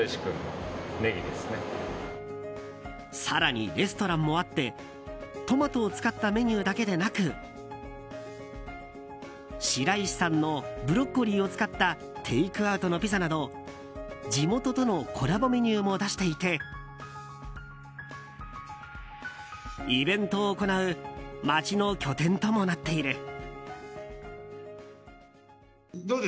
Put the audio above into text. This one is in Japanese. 更に、レストランもあってトマトを使ったメニューだけでなく白石さんのブロッコリーを使ったテイクアウトのピザなど地元とのコラボメニューも出していてイベントを行う街の拠点ともなっている。